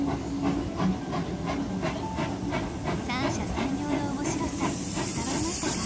三者三様の面白さ伝わりましたか？